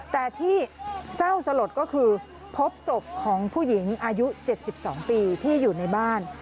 แต่ที่เศร้าสลดก็คือพบศพของผู้หญิงอายุ๗๒ปีที่อยู่ในบ้าน